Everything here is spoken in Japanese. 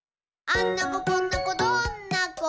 「あんな子こんな子どんな子？